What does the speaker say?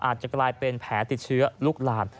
อาจจะกลายเป็นแผลติดเชื้อลุกลาม